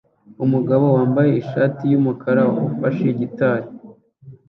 Umugabo wambaye ishati yumukara ufashe gitari